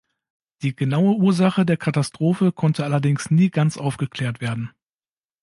Die genaue Ursache der Katastrophe konnte allerdings nie ganz aufgeklärt werden.